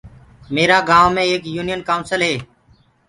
ميرآ گائونٚ مي ايڪ يونين ڪائونسل بي هي۔